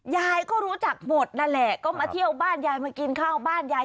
ยายก็รู้จักหมดนั่นแหละก็มาเที่ยวบ้านยายมากินข้าวบ้านยาย